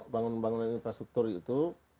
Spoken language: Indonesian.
pembangunan infrastruktur itu